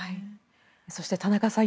そして、田中さん